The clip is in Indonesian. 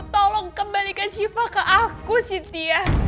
tolong kembalikan siva ke aku sintia